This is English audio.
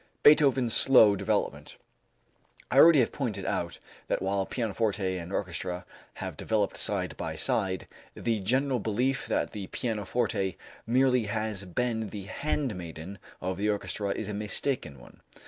Beethoven's Slow Development. I already have pointed out that while pianoforte and orchestra have developed side by side, the general belief that the pianoforte merely has been the handmaiden of the orchestra is a mistaken one.